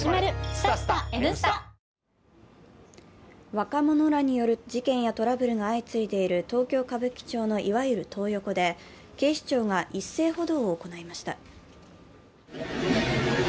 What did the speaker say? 若者らによる事件やトラブルが相次いでいる東京・歌舞伎町のいわゆるトー横で、警視庁が一斉補導を行いました。